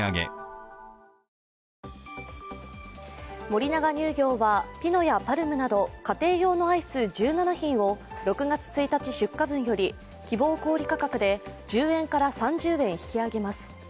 森永乳業はピノやＰＡＲＭなど家庭用のアイス１７品を６月１日出荷分より希望小売価格で１０円から３０円引き上げます。